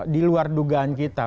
di luar dugaan kita